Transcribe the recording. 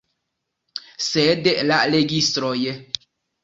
Sed la registroj!